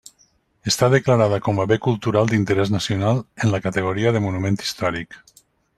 Està declarada com a bé cultural d'interès nacional en la categoria de monument històric.